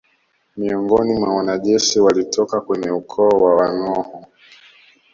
Miongoni mwa wanajeshi walitoka kwenye ukoo wa Wanghoo